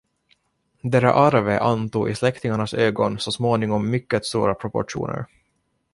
Det där arvet antog i släktingarnas ögon så småningom mycket stora proportioner.